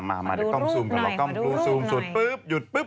ปักซอกคอซะหน่อย